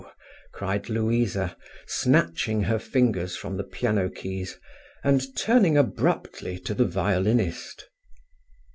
cried Louisa, snatching her fingers from the piano keys, and turning abruptly to the violinist.